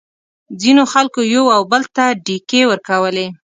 ځینو خلکو یو او بل ته ډیکې ورکولې.